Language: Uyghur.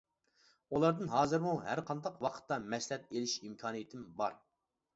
ئۇلاردىن ھازىرمۇ ھەر قانداق ۋاقىتتا مەسلىھەت ئېلىش ئىمكانىيىتىم بار.